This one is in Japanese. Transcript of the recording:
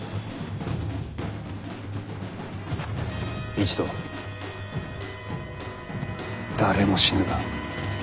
一同誰も死ぬな。